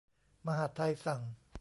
มหาดไทยสั่ง